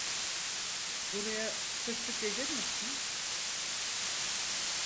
Buraya sık sık gelir misin?